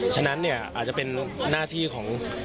ฉะนั้นเนี่ยอาจจะเป็นหน้าที่ของ